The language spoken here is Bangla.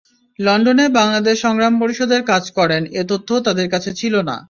লন্ডনে বাংলাদেশ সংগ্রাম পরিষদের কাজ করেন—এ তথ্যও তাদের কাছে ছিল না।